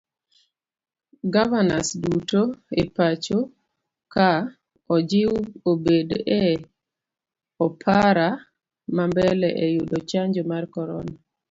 Gavanas duto epachoka ojiw obed e opara mambele e yudo chanjo mar korona.